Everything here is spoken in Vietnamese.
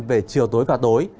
về chiều tối và tối